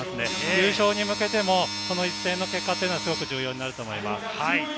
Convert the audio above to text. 優勝に向けても、この一戦の結果はすごく重要になると思います。